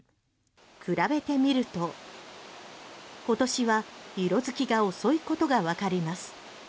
比べてみると今年は色づきが遅いことがわかります。